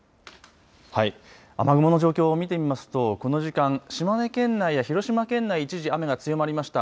雨雲の状況を見てみますとこの時間島根県内や広島県内一時雨が強まりました。